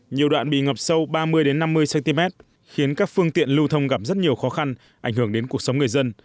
nhiều đoạn bị ngập sâu ba mươi năm mươi cm khiến các phương tiện lưu thông gặp rất nhiều khó khăn ảnh hưởng đến cuộc sống người dân